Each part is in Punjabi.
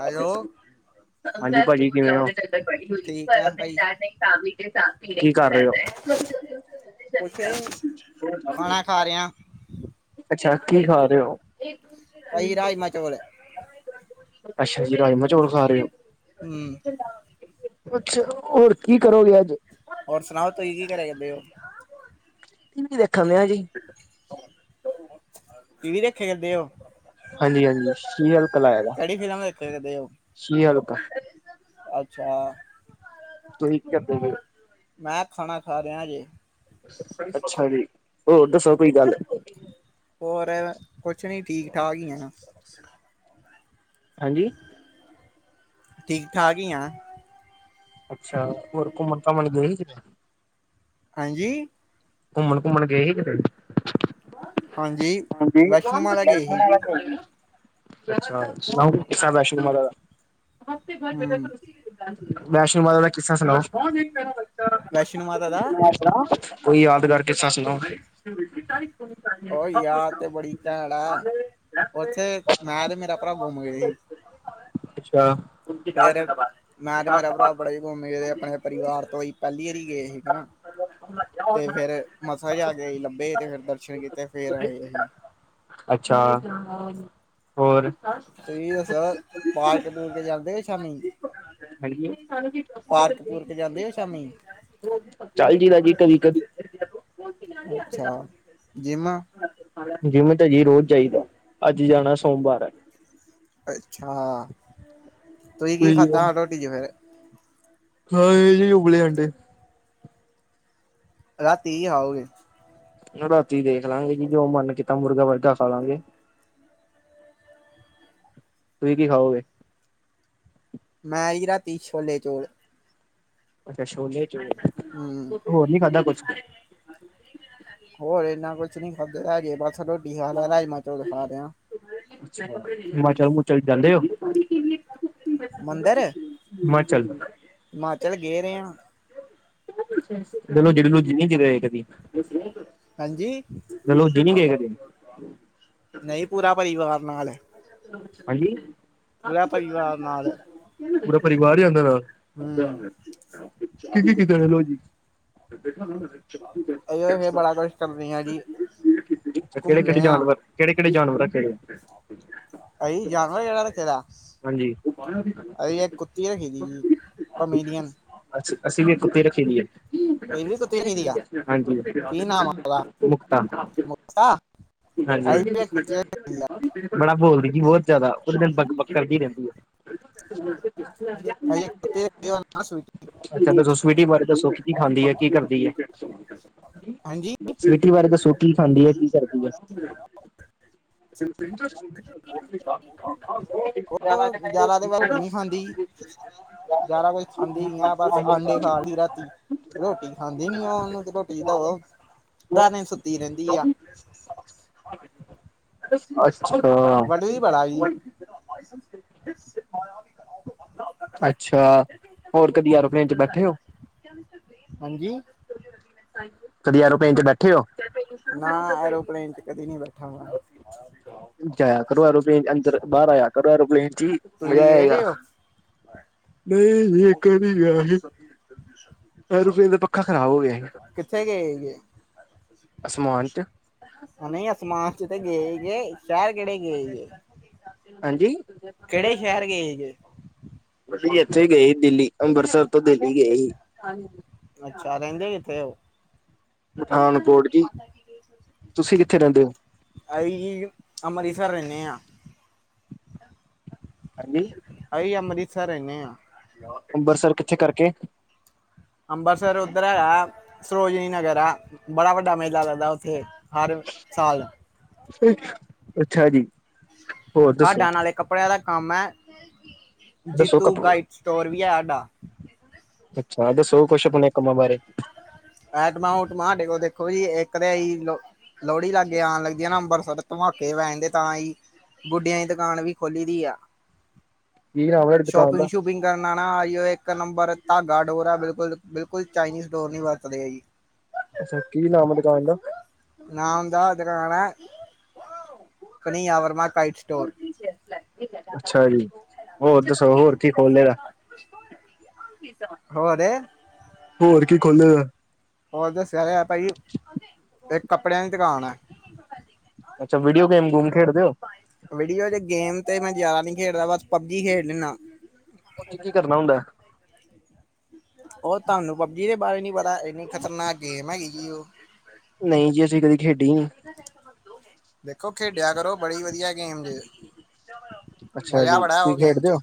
ਹੈਲੋ। ਹਾਂਜੀ, ਪਾਜੀ ਕਿਵੇਂ ਔਂ? [unintelligible] ਠੀਕ ਆ ਭਾਈ ਕੀ ਕਰ ਰਹੇ ਓ? ਕੁਛ ਖਾਣਾ ਖਾ ਰਿਹਾ [unintelligible] ਅੱਛਾ, ਕੀ ਖਾ ਰਹੇ ਓ? ਭਾਈ ਰਾਜਮਾਂ ਚੌਲ [unintelligible] ਅੱਛਾ ਜੀ, ਰਾਜਮਾ ਚੋਲ ਖਾ ਰੇ ਓ। ਹਮ ਕੁੱਛ ਹੋਰ, ਕੀ ਕਰੋਗੇ ਅੱਜ? ਔਰ ਸੁਨਾਓ! ਤੁਸੀ ਕੀ ਘਰੇ ਕਰਦੇ ਹੋ? ਟੀ ਵੀ ਵੇਖਣ ਡਿਆ ਜੇ। ਟੀ ਵੀ ਦੇਖੇ ਕਰਦੇ ਹੋ ਹਾਂਜੀ-ਹਾਂਜੀ! ਸੀਰੀਅਲ ਕਿਹੜਾ ਲਾਇਆ ਦਾ? ਦੇਦਿਓ ਸ਼ਰੀ ਹਲਕਾ ਅੱਛਾ! ਤੁਸੀ ਕੀ ਕਰਦੇ ਪਏ ਹੋ? ਮੈਂ ਖਾਣਾ ਖਾ ਰਿਹਾਂ ਹਜੇ। ਅੱਛਾ ਜੀ! ਹੋਰ ਦੱਸੋ ਕੋਈ ਗੱਲ। ਹੋਰ ਕੁਛ ਨੀ, ਠੀਕ ਠਾਕ ਹੀ ਹਾਂ। ਹਾਂਜੀ! ਠੀਕ ਠਾਕ ਹੀ ਹਾਂ। ਅੱਛਾ! ਹੋਰ, ਘੁੰਮਨ ਘਮਨ ਗਏ ਸੀ ਕਿਤੇ? ਹਾਂਜੀ! ਘੁੰਮਣ ਘੁੰਮਣ ਗਏ ਸੀ ਕਿਧਰ? ਹਾਂਜੀ! ਹਾਂਜੀ! ਵੈਸ਼ਨੋ ਮਾਤਾ ਗਏ ਸੀ ਦੇਵੀ, ਅੱਛਾ! ਸੁਨਾਓ ਕੋਈ ਕਿੱਸਾ ਵੈਸ਼ਨੋ ਦੇਵੀ ਮਾਤਾ ਦਾ। [inaudible] ਹਮ ਵੈਸ਼ਨੋ ਮਾਤਾ ਦਾ ਕਿੱਸਾ ਸੁਨਾਓ [inaudible] ਵੈਸ਼ਨੋ ਮਾਤਾ ਦਾ ਵੈਸ਼ਨੋ ਮਾਤਾ ਕੋਈ ਯਾਦਗਾਰ ਕਿੱਸਾ ਸੁਨਾਓ। [inaudible] ਉਹ ਯਾਰ [inaudible] ਤੇ ਬੜੀ ਕੈੜ ਆ ਉੱਥੇ। ਮੈਂ ਤੇ ਮੇਰਾ ਭਰਾ ਗੁੰਮ ਗਏ ਸੀ। ਅੱਛਾ ਫੇਰ ਮੈਂ ਤੇ ਮੇਰਾ ਭਰਾ ਬੜਾ ਹੀ ਗੁੰਮ ਗਏ। ਤੇ ਆਪਣੇ ਪਰਿਵਾਰ ਤੋ ਅਸੀ ਪਹਿਲੀ ਵਾਰੀ ਗਏ ਸੀਗੇ ਨਾ। ਤੇ ਫਿਰ ਮਸਾ ਜਾ ਕੇ ਅਸੀ ਲੱਭੇ। ਤੇ ਫਿਰ ਦਰਸ਼ਨ ਕੀਤੇ। ਫੇਰ ਆਏ ਅਸੀ। ਅੱਛਾ! ਹੋਰ? ਤੁਸੀ ਵੀ ਦੱਸੋ, ਪਾਰਕ ਪੂਰਕ ਜਾਂਦੇ ਹੋ ਸ਼ਾਮੀ? ਹਾਂਜੀ ਪਾਰਕ ਪੂਰਕ ਤੇ ਜਾਂਦੇ ਹੋ ਸ਼ਾਮੀ? ਚੱਲ ਜਾਈਦਾ ਜੀ ਕਦੀ-ਕਦੀ। ਅੱਛਾ ਜਿੰਮ ਜਿੰਮ ਤਾਂ ਜੀ ਰੋਜ਼ ਜਾਈਦਾ। ਅੱਜ ਜਾਣਾ ਸੋਮਵਾਰ ਹੈ ਅੱਛਾ, ਤੁਸੀ ਕੀ ਖਾਧਾ ਰੋਟੀ ਚ ਫਿਰ? ਖਾਏ ਜੀ ਉਬਲੇ ਅੰਡੇ। ਰਾਤੀ ਆਓਗੇ? ਰਾਤੀ ਦੇਖ ਲਾਂਗੇ ਜੀ, ਜੋ ਮਨ ਕੀਤਾ। ਮੁਰਗਾ ਮਰਗਾ ਖਾ ਲਾਂਗੇ। ਤੁਸੀ ਕੀ ਖਾਓਗੇ? ਮੈਂ ਜੀ ਰਾਤੀ ਛੋਲੇ ਚੋਲ। ਅੱਛਾ! ਛੋਲੇ ਚੋਲ, ਹਮ ਹੋਰ ਨੀ ਖਾਧਾ ਕੁਛ? ਹੋਰ ਇੰਨਾ ਕੁਛ ਨੀ ਖਾਧਾਜੇ ਬਸ ਰੋਟੀ ਖਾ ਲਿਆ ਰਾਜਮਾਂ ਚੌਲ ਖਾ ਰਿਹਾ ਹਿਮਾਚਲ ਹਮੁਚਲ ਜਾਂਦੇ ਓ ਅੰਦਰ ਹਿਮਾਚਲ ਗਏ ਦੇ ਆ ਚਲੋ ਜਿਹਦੇ ਕੋਲ ਜਿੰਨੀ ਰਹੇ ਕਦੀ [unintelligible] ਹਾਂਜੀ [unintelligible] ਨਈ ਪੂਰਾ ਪਰਿਵਾਰ ਨਾਲ ਐ ਹਾਂਜੀ ਨਾਲ [unintelligible] ਪੂਰਾ ਪਰਿਵਾਰ ਜਾਂਦਾ ਨਾਲ ਹਮ ਕੀ ਕੀ ਕੀਤਾ ਲਓ ਜੀ ਦੇਖਾ ਨਾ [unintelligible] ਇਹ ਬੜਾ ਕੁਛ ਕਰਦੇ ਹਾਂ ਜੀ ਕਿਹੜੇ ਕਿਹੜੇ ਘੁੰਮਦੇ ਹਾਂ ਜਾਨਵਰ ਕਿਹੜੇ ਕਿਹੜੇ ਜਾਨਵਰ ਰਖੇ ਗਏ ਅਈ ਜਾਨਵਰ ਜਿਹੜਾ ਰੱਖਦਾ ਹਾਂਜੀ। ਅਸੀ ਇੱਕ ਕੁੱਤੀ ਰੱਖੀ ਜੀ ਪਮਬੀਰੀਅਨ ਅੱਛਾ ਅਸੀਂ ਵੀ ਕੁੱਥੀ ਰੱਖੀ ਦੀ ਏ ਇਹ ਵੀ ਕੁੱਤੀ ਰੱਖੀ ਦੀ ਆ ਹਾਂਜੀ ਕੀ ਨਾਮ ਆ ਉਹਦਾ ਮੁਕਤਾ ਹਾਂਜੀ ਮੁਕਤਾ ਅਸੀਂ ਵੀ ਇੱਕ ਕੁੱਤੀ ਰੱਖੀ ਦੀ ਆ ਬੜਾ ਬੋਲਦੀ ਜੀ ਬੋਹਤ ਜ਼ਾਦਾ ਉਸ ਦਿਨ ਬਗ ਬਗ ਕਰਦੀ ਰਹਿੰਦੀ ਹੈ [unintelligible] ਅਸੀਂ ਇੱਕ ਕੁੱਤੀ ਰੱਖੀ ਉਹਦਾ ਨਾਂ ਸਵੀਟੀ ਅੱਛਾ ਸਵਿਟੀ ਬਾਰੇ ਦੱਸੋ ਕੀ ਖਾਂਦੀ ਹੈ ਕੀ ਕਰਦੀ ਏ ਹਾਂਜੀ ਸਵੀਟੀ ਬਾਰੇ ਦਸੋ ਕੀ ਖਾਂਦੀ ਹੈ ਕੀ ਕਰਦੀ ਐ ਸ [unintelligible] ਹ [unintelligible] ਉਹ ਜਾਵਾ ਦਿਖਾਏ ਜ਼ਾਦਾ ਤੇ ਰੋਟੀ ਨੀ ਖਾਂਦੀ ਜਿਆਦਾ ਕੁਝ ਖਾਂਦੀ ਨੀ ਆ ਬਸ ਆਂਡੇ ਖਾ ਲਈ ਰਾਤੀ ਰੋਟੀ ਖਾਂਦੀ ਨੀ ਉਹ ਉਹਨੂੰ ਤੇ ਰੋਟੀ ਦਓ ਅਧਾ ਦਿਨ ਸੁੱਤੀ ਰਹਿੰਦੀ ਆ ਅੱਛਾ ਤੁਸੀ ਬੜਾ ਜੀ ਅੱਛਾ ਹੋਰ ਕਦੀ ਐਰੋਪਲੈਨ 'ਚ ਬੈਠੇ ਹੋ ਹਾਂਜੀ ਕਦੀ ਐਰੋਪਲੈਣ 'ਚ ਬੈਠੇ ਹੋ ਨਾ ਐਰੋਪਲੇਨ 'ਚ ਕਦੀ ਨੀਂ ਬੈਠਾ ਮੈ ਜਾਆ ਕਰੋ ਐਰੋਪਲੇਨ ਅੰਦਰ ਬਾਹਰ ਆਇਆ ਕਰੋ ਐਰੋਪਲੇਨ 'ਚ ਹੀ ਮਜ਼ਾ ਤੁਸੀਂ ਗਏ ਆਏਗਾ ਰਹੇ ਹੋ ਨਹੀਂ ਇਕ ਵਾਰੀ ਗਿਆ ਸੀ ਹ [inaudible] ਐਰੋਪਲੇਨ ਦਾ ਪੱਖਾ ਖਰਾਬ ਹੋ ਗਿਆ ਹੀ ਕਿੱਥੇ ਗਏ ਜੇ ਅਸਮਾਨ 'ਚ ਨਈ ਅਸਮਾਨ 'ਚ ਤੇ ਗਏ ਗੇ ਸ਼ਹਿਰ ਕਿਹੜੇ ਗਏ ਜੇ ਹਾਂਜੀ ਕਿਹੜੇ ਸ਼ਹਿਰ ਗਏ ਜੇ ਪਤਾ ਨੀ ਇੱਥੇ ਹੀ ਗਏ ਸੀ ਦਿੱਲੀ ਅੰਮ੍ਰਿਤਸਰ ਤੋਂ ਦਿੱਲੀ ਗਏ ਸੀ ਅੱਛਾ ਰਹਿੰਦੇ ਕਿਥੇ ਪਠਾਨਕੋਟ ਜੀ, ਤੁਸੀਂ ਕਿੱਥੇ ਰਹਿੰਦੇ ਹੋ ਅਸੀਂ ਅੰਮ੍ਰਿਤਸਰ ਰਹਿੰਨੇ ਆਂ ਹਾਂਜੀ ਅਸੀਂ ਅੰਮ੍ਰਿਤਸਰ ਰੈਨੇ ਆ ਅੰਬਰਸਰ ਕਿੱਥੇ ਕਰਕੇ ਅੰਬਰਸਰ ਉੱਧਰ ਹੈਗਾ ਸਰੋਜਨੀ ਨਗਰ ਆ ਬੜਾ ਵੱਡਾ ਮੇਲਾ ਲੱਗਦਾ ਉੱਥੇ ਹਰ ਸਾਲ ਅ ਅੱਛਾ ਜੀ ਹੋਰ ਦੱਸੋ ਹਾਡਾ ਨਾਲੇ ਕੱਪੜਿਆਂ ਦਾ ਕੰਮ ਏ, ਦੱਸੋ ਜੀਤੂ ਕੱਪ ਗਾਈਟ ਸਟੋਰ ਵੀ ਏ ਸਾਡਾ ਅੱਛਾ ਦਸੋ ਕੁਛ ਆਪਣੇ ਕੰਮਾਂ ਬਾਰੇ? ਐਟਮਾ ਊਟਮਾ ਹਾਡੇ ਕੋਲ ਦੇਖੋ ਜੀ ਇੱਕ ਤਾਂ ਆਈ ਲੋ ਲੋਹੜੀ ਲਾਗੇ ਆਉਂਣ ਲੱਗਦੀ ਹੈ ਨਾ ਅੰਮਬਰਤਸਰ ਧਮਾਕੇ ਪੈਣ ਦੇ ਤਾਂ ਹੀ ਗੁੱਢਿਆਂ ਦੀ ਦੁਕਾਨ ਵੀ ਖੋਲੀ ਦੀ ਆ, ਕੀ ਨਾਮ ਹੈ ਦੁਕਾਨ ਦਾ ਸ਼ੋਪਿੰਗ ਸ਼ੂਪੀਂਗ ਫੀਕਿੰਗ ਕਰਨਾ ਨਾ ਉਹ ਇੱਕ ਨੰਬਰ, ਧਾਗਾ ਡੋਰ ਆ ਬਿਲਕੁਲ, ਬਿਲਕੁਲ ਚਾਈਨੀਜ਼ ਡੋਰ ਨੀ ਵਰਤਦੇ ਆ ਜੀ। ਅੱਛਾ, ਕੀ ਨਾਮ ਆ ਦੁਕਾਨ ਦਾ? ਨਾਮ ਦਾ ਦੁਕਾਨ ਹੈ, ਕਨੀ ਵਰਮਾ ਕਈਟ ਸਟੋਰ। ਅੱਛਾ ਜੀ। ਹੋਰ ਦੱਸੋ, ਹੋਰ ਕੀ ਖੋਲਿਆ? ਹੋਰ ਹੋਰ ਕੀ ਖੋਲੇ ਦਾ? ਹੋਰ ਦੱਸਿਆ ਤੇ ਹੈ ਭਾਈ, ਇੱਕ ਕੱਪੜਿਆਂ ਦੀ ਦੁਕਾਨ ਹੈ। ਅੱਛਾ, ਵੀਡੀਓ ਗੇਮ ਗੂਮ ਖੇਡਦੇ ਹੋ? ਵੀਡੀਓ ਜੇ ਗੇਮ ਤੇ ਮੈਂ ਜ਼ਿਆਦਾ ਨੀ ਖੇਡਦਾ, ਬਸ ਪਬਜੀ ਖੇਡ ਲੈਂਦਾ। ਓੱਦੇ 'ਚ ਕੀ ਕਰਨਾ ਹੁੰਦਾ? ਉਹ ਤੁਹਾਨੂੰ ਪਬਜੀ ਦੇ ਬਾਰੇ ਨੀ ਪਤਾ, ਇੰਨੀ ਖ਼ਤਰਨਾਕ ਗੇਮ ਹੈਗੀ ਉਹ। ਨਹੀਂ ਜੀ, ਅਸੀਂ ਕਦੀ ਖੇਡੀ ਨਹੀਂ। ਦੇਖੋ ਖੇਡਿਆ ਕਰੋ, ਬੜੀ ਵਧੀਆ ਗੇਮ ਜੇ। ਅੱਛਾ ਜੀ, ਮਜ਼ਾ ਬੜਾ ਤੁਸੀਂ ਉਹ ਗੇਮ ਖੇਡਦੇ ਚ ਹੋ?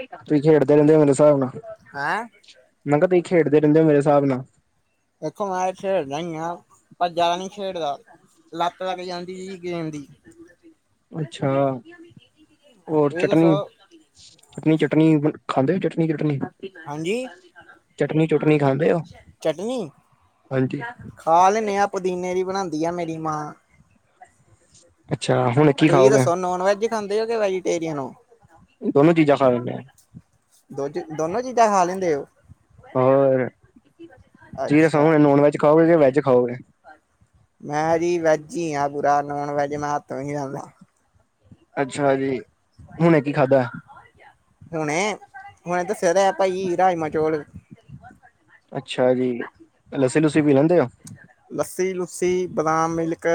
ਤੁਕਿ ਖੇਡਦੇ ਰਹਿੰਦੇ, ਮੇਰੇ ਹਿਸਾਬ ਨਾਲ? ਹੈਂ? ਮੈਂ ਕਿਹਾ ਤੁਸੀ ਖੇਡਦੇ ਰਹਿੰਦੇ ਹੋ, ਮੇਰੇ ਹਿਸਾਬ ਨਾਲ? ਦੇਖੋ ਮੈਂ ਖੇਡਦਾ ਈ ਆ, ਪਰ ਜਿਆਦਾ ਨਹੀਂ ਖੇਡਦਾ। ਲੱਤ ਲੱਗ ਜਾਂਦੀ ਜੀ, ਗੇਮ ਦੀ। ਅੱਛਾ, ਹੋਰ ਇਹ ਦੱਸੋ ਚਟਨੀ ਚਟਨੀ- ਚਟਨੀ ਖਾਂਦੇ, ਚਟਨੀ ਚੁਟਨੀ। ਹਾਂਜੀ, ਚਟਨੀ ਖਾਂਦੇ ਹੋ ਚਟਨੀ? ਹਾਂਜੀ ਖਾ ਲੈਦੇ ਆ, ਪੁਦੀਨੇ ਦੀ ਬਣਾਉਂਦੀ ਆ ਮੇਰੀ ਮਾਂ। ਅੱਛਾ, ਹੁਣ ਕੀ ਤੁਸੀਂ ਖਾਓਗੇ? ਦੱਸੋ ਨੋਨ ਵੈਜ ਖਾਂਦੇ ਹੋਗੇ, ਕੇ ਵੈਜੀਟੇਰੀਅਨ ਹੋ? ਦੋਨੋ ਚੀਜ਼ਾਂ ਖਾ ਲੈਂਦੇ ਆ। ਦੋ 'ਚ, ਦੋਨੋ ਚੀਜ਼ਾਂ ਖਾ ਲੈਂਦੇ ਉਹ‌? ਹੋਰ, ਚੀਜ਼ਾਂ ਸ ਅੱਛਾ ਨੋਨ ਵੈਜ ਖਾਓਗੇ, ਕਿ ਵੈਜ ਖਾਓਗੇ? ਮੈਂ ਜੀ ਵੈਜ ਹੀ ਆ ਪੁਰਾ, ਨੋਨ ਵੈਜ ਮੈਂ ਹੱਥੋਂ ਵੀ ਨਹੀ ਲਾਂਦਾ। [inaudible] ਅੱਛਾ ਜੀ, ਹੁਣੇ ਕੀ ਖਾਧਾ? ਹੁਣੇ, ਹੁਣੇ ਦੱਸਿਆ ਤੇ ਹੈ ਭਾਈ ਰਾਜਮਾਂ ਚੌਲ। ਅੱਛਾ ਜੀ, ਲੱਸੀ ਲੁੱਸੀ ਪੀ ਲੈਂਦੇ ਹੋ? ਲੱਸੀ ਲੁੱਸੀ, ਬਾਦਾਮ ਮਿਲਕ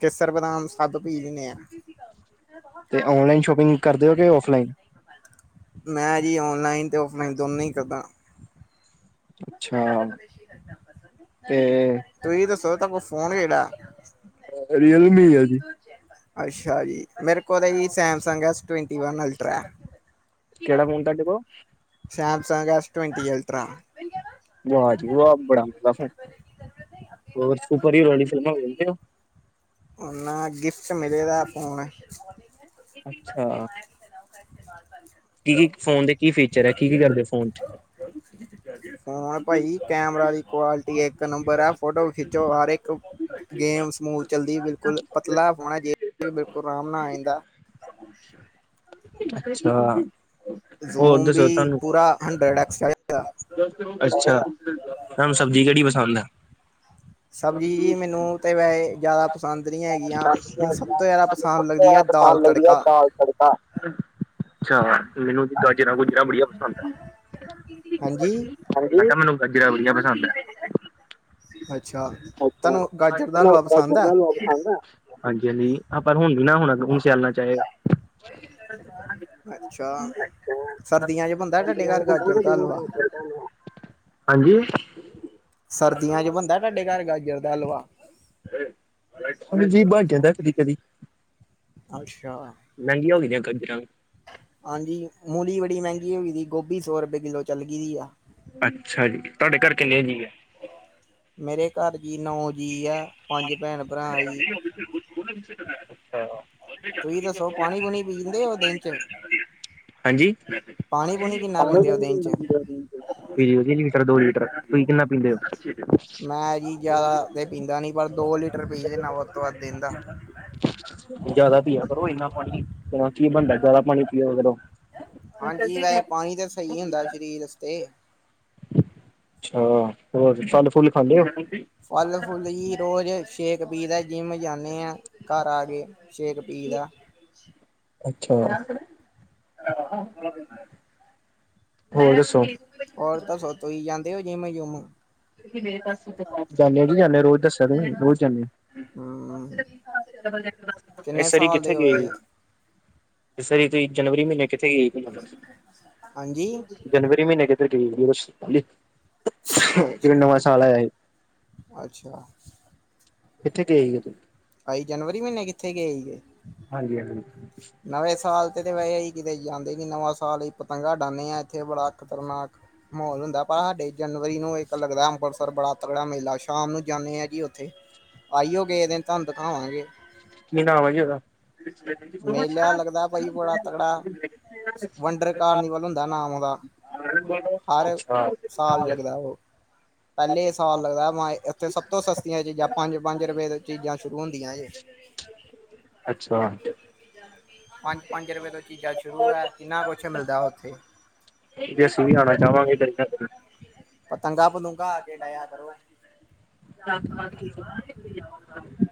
ਕੇਸਰ, ਬਦਾਮ ਸਭ ਪੀ ਲਦੇ ਆ। ਤੇ ਔਨਲਾਈਨ ਸ਼ੋਪਿੰਗ ਕਰਦੇ ਹੋ, ਕਿ ਔਫਲਾਈਨ? ਮੈਂ ਜੀ ਔਨਲਾਈਨ, ਤੇ ਔਫਲਾਈਨ ਦੋਨੋਂ ਹੀ ਕਰਦਾ। ਅੱਛਾ ਤੇ ਤੁਸੀ ਦੱਸੋ, ਤੁਹਾਡੇ ਕੋ ਫੋਨ ਕਿਹੜਾ? ਰੀਅਲਮੀ ਹੈ ਜੀ [unintelligible] ਅੱਛਾ ਜੀ, ਮੇਰੇ ਕੋਲ ਹੀ ਸੈਮਸੰਗ ਹੈ ਐਸ ਟਵੰਟੀ ਅਲਟਰਾ। ਕਿਹੜਾ ਫੋਨ ਤੁਹਾਡੇ ਕੋ? Samsung S twenty ultra. ਵਾਹ ਜੀ ਵਾਹ, ਬੜਾ ਵਧੀਆ ਸੈਟ ਹੈ। ਹੋਰ, ਸੁਪਰ ਹੀਰੋ ਵਾਲੀ ਫਿਲਮਾ ਵੇਖਦੇ ਹੋ? ਉਹਨਾਂ ਗਿਫਟ ਮਿਲੇ ਦਾ ਫੋਨ। ਅੱਛਾ। [unintelligible] [inaudible] ਕੀ, ਇੱਕ ਫੋਨ ਦੇ ਕੀ ਫੀਚਰ ਐ, ਕੀ-ਕੀ ਕਰਦੇ ਫੋਨ ਚੋ ਫੋਨ ਭਾਈ ਕੈਮਰਾ ਦੀ, ਕੁਆਲਿਟੀ ਇੱਕ ਨੰਬਰ ਹੈ। ਫੋਟੋ ਖਿੱਚੋ ਹਰ ਇੱਕ ਗੇਮ ਸਮੂਥ ਚੱਲਦੀ ਬਿਲਕੁਲ, ਪਤਲਾ ਫੋਨ ਹੈ, ਜੇਬ ਚ ਬਿਲਕੁਲ ਆਰਾਮ ਨਾਲ ਆਏ ਗਾ ਅੱਛਾ। ਜ਼ੂਮ ਵੀ ਪੂਰਾ, ਹੰਡਰਡ ਐਕਸਟ ਅੱਛਾ, ਤੁਹਾਨੂੰ ਸਬਜ਼ੀ ਕਿਹੜੀ ਪਸੰਦ ਐ? ਸਬਜ਼ੀ, ਮੈਨੂੰ ਤੇ ਵੈਸ ਜ਼ਿਆਦਾ ਪਸੰਦ ਨਹੀਂ ਹੈ। ਸਭ ਤੋਂ ਜ਼ਿਆਦਾ ਹੈ ਦਾਲ ਪਸੰਦ, ਲੱਗਦੀ ਐ ਤੜਕਾ ਦਾਲ ਤੜਕਾ ਅੱਛਾ, ਮੈਨੂੰ ਗਾਜਰਾਂ ਗੁਜਰਾਂ ਬੜੀਆਂ ਤਾਂ ਹਾਂਜੀ ਮੈਨੂੰ ਗਾਜਰਾਂ ਵਧੀਆ ਪਸੰਦ ਨੇ ਅੱਛਾ ਅੱਛਾ [unintelligible] ਤੁਹਾਨੂੰ ਗਾਜਰ ਦਾ ਹਲਵਾ ਪਸੰਦ ਹੈ [inaudible] ਹਾਂਜੀ-ਹਾਂਜੀ ਆਪਾ ਨੁੰ ਹੁਣ ਵੀ ਨਾ, ਆੳਣਾ ਹੁਣ ਸਿਆਲਾ ਚ ਆਏਗਾ ਅੱਛਾ, ਸਰਦੀਆਂ ਚ ਬਣਦਾ ਤੁਹਾਡੇ ਘਰ ਗਾਜਰ ਦਾ ਹਲਵਾ ਹਾਂਜੀ ਸਰਦੀਆਂ ਚ ਬਣਦਾ, ਤੁਹਾਡੇ ਘਰ ਗਾਜਰ ਦਾ ਹਲਵਾ? ਹਾਂਜੀ ਬਣ ਜਾਂਦਾ ਕਦੀ-ਕਦੀ ਅੱਛਾ। ਨਈ ਹੁੰਦੀਆਂ ਗਾਜਰਾ ਹਾਂਜੀ, ਮੂਲੀ ਬੜੀ ਮਹਿੰਗੀ ਹੋ ਗਈ ਜੀ, ਗੋਭੀ ਸੌ ਰੁਪਏ ਕਿੱਲੋ ਚੱਲ ਗਈ ਆ ਅੱਛਾ ਜੀ, ਤੁਹਾਡੇ ਘਰ ਕਿੰਨੇ, ਆ ਜੀ ਏ? ਮੇਰੇ ਘਰ ਜੀ, ਨੌ ਜੀ ਆ, ਪੰਜ ਭੈਣ ਭਰਾ ਏ [inaudible] [inaudible] ਤੁਸੀਂ ਦੱਸੋ, ਪਾਣੀ- ਪੂਣੀ ਪੀਂਦੇ ਹੋ ਦਿਨ ਚ? ਹਾਂਜੀ ਪਾਣੀ -ਪੂਣੀ ਕਿੰਨਾ ਪੀਂਦੇ ਹੋ, ਦਿਨ ਚ ਲੀਟਰ-ਦੋ ਲੀਟਰ ਤੁਸੀਂ ਕਿੰਨਾ ਪੀਂਦੇ ਹੋ? ਮੈਂ ਜੀ ਜਿਆਦਾ ਤੇ ਪੀਂਦਾ ਨਈ, ਪਰ ਦੋ ਲੀਟਰ ਪੀ ਲੈਦਾ ਵੱਧ ਤੋਂ ਵੱਧ ਦਿਨ ਦਾ ਜਿਆਦਾ ਪਿਆ ਕਰੋ, ਇੰਨਾ ਪਾਣੀ ਕੀ ਬਣਦਾ, ਜਿਆਦਾ ਪਾਣੀ ਪੀਓ ਕਰੋ ਹਾਂਜੀ, ਵੈਸ ਪਾਣੀ ਤਾਂ ਸਹੀ ਹੁੰਦਾ ਸ਼ਰੀਰ ਆਸਤੇ ਅੱਛਾ, ਹੋਰ ਫਲ -ਫੁੱਲ ਖਾਂਦੇ ਔ ਜੀ ਫਲ ਫੁੱਲ ਜੀ ਰੋਜ਼ ਸ਼ੇਕ ਪੀਦੇ, ਜਿੰਮ ਜਾਂਨੇ ਆ ਘਰ ਫੇਰ, ਸ਼ੇਕ ਪੀ ਦਾ ਅੱਛਾ, ਹੋਰ ਦੱਸੋ? ਹੋਰ ਦਸੋ, ਤੁਸੀ ਜਾਂਦੇ ਹੋ ਜਿਮ ਜੁਮ? ਜਾਨੇ ਹਾਂ ਜੀ, ਜਾਂਨੇ ਆ ਰੋਜ਼ ਦੱਸਿਆ ਤੁਸੀਂ ਰੋਜ਼ ਜਾਂਨੇ ਹਮ ਆ ਕਿੰਨੇ ਇਸ ਆਰੀ, ਸਾਲ ਕਿੱਥੇ ਦੇ ਹੋਏ ਗਏ? ਇਸ ਆਰੀ ਤੁਹੀ ਜਨਵਰੀ ਮਹੀਨੇ, ਕਿੱਥੇ ਗਏ ਸੀ। ਹਾਂਜੀ ਜਨਵਰੀ ਮਹੀਨੇ ਕਿਥੇੱ ਹ [unintelligible] [inaudible] ਅੱਛਾ-ਅੱਛਾ ਕਿੱਥੇ ਗਏ ਈ ਬਾਈ ਜਨਵਰੀ, ਮਹੀਨੇ ਕਿੱਥੇ ਗਏ ਸੀ? ਹਾਂਜੀ-ਹਾਂਜੀ ਨਵੇਂ ਸਾਲ ਤੇ-ਤੇ ਵੈਸੇ ਹੀ ਕਿਤੇ ਜਾਂਦੇ ਨਈ, ਨਵਾਂ ਸਾਲ ਹੀ ਪਤੰਗਾ ੳਡਾਂਨੇ ਆ, ਇੱਥੇ ਬੜਾ ਖ਼ਤਰਨਾਕ ਮਾਹੋਲ ਹੁੰਦਾ, ਬਾਹਰ ਹਾਡੇ ਜਨਵਰੀ ਨੂੰ ਇੱਕ ਲੱਗਦਾ ਅੰਮ੍ਰਿਤਸਰ ਬੜਾ ਤਕੜਾ ਮੇਲਾ ਸ਼ਾਮ ਨੂੰ ਜਾਂਨੇ ਆ ਜੀ ਉੱਥੇ। ਆਈਓ ਕਿਸੇ ਦਿਨ ਤੁਹਾਨੂੰ ਦਿਖਾਵਾਂਗੇ। ਕੀ ਨਾਂ ਹੈ ਜੀ ਉਹਦਾ? ਖਰ ਮੇਲਾ ਲੱਗਦਾ ਭਾਜੀ ਬੜਾ ਤਗੜਾ। ਵੰਡਰ ਕਾਰਨੀਵਲ ਹੁੰਦਾ ਨਾਮ ਉਹਦਾ [unintelligible] [unintelligible] ਅੱਛਾ। ਹਾਲ ਲਗਦਾ ਉਹ ਪੈਲੇ ਸਾਲ ਲੱਗਦਾ ਮ ਇੱਥੇ ਸਭ ਤੋਂ ਸਸਤੀਆਂ ਚੀਜ਼ਾਂ ਪੰਜ, ਪੰਜ ਰੁਪਏ ਚੀਜ਼ਾਂ ਸ਼ੁਰੂ ਹੁੰਦੀ ਅੱਛਾ ਪੰਜ ਪੰਜ ਰੁਪਏ ਤੋਂ ਚੀਜ਼ਾਂ ਸ਼ੁਰੂ ਹੈ ਕਿੰਨਾ ਕੁਛ ਮਿਲਦਾ ਉੱਥੇ ਜੇ ਅਸੀਂ ਵੀ ਆਉਣਾ ਚਾਹਵਗੇ ਇੱਰਧਰ [unintelligible] ਪਤੰਗਾ ਪ ਤੁੰਗਾ ਕੇ ਡਾਇ ਆ ਕਰੋ ਰਾਤ ਪਾਤ ਹੋ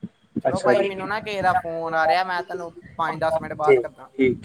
[unintelligible] ਚਲੋ ਭਾਈ ਮੈਨੂੰ ਨਾ ਕਿਸੇ ਦਾ ਫੋਨ ਆ ਰਿਹਾ ਮੈਂ ਤੈਨੂੰ ਪੰਜ ਦਸ ਮਿੰਟ ਬਾਦ ਠੀਕ ਕਰਦਾਂ ਠੀਕ।